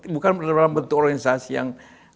bukan dalam bentuk organisasi yang